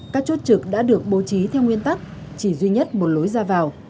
các chốt trực đã được bố trí theo nguyên tắc chỉ duy nhất một lối ra vào